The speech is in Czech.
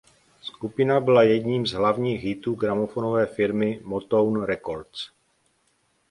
Skupina byla jedním z hlavních hitů gramofonové firmy Motown Records.